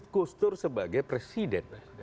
gustur sebagai presiden